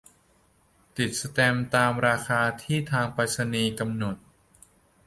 ติดสแตมป์ตามราคาที่ทางไปรษณีย์กำหนด